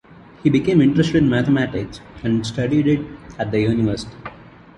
He became interested in mathematics and studied it at the university.